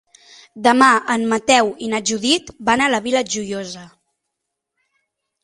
Demà en Mateu i na Judit van a la Vila Joiosa.